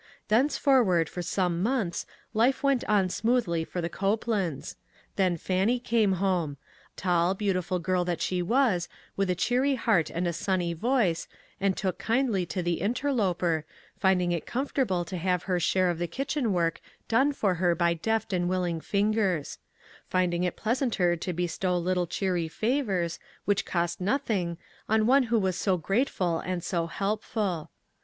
Thencefor ward for some months life went on smoothly at the Copelands. Then, Fannie came home; tall, beautiful girl that she FRUIT FROM THE PICNIC. l6/ was, with a cheery heart and a sunny voice, and took kindly to the interloper, finding it comfortable to have her share of the kitchen work done for her by deft and willing fingers ; finding it pleasanter to be stow little cheery favors, which cost noth ing, on one who was so grateful and so helpful.